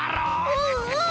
うんうん。